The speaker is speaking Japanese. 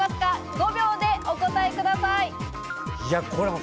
５秒でお答えください。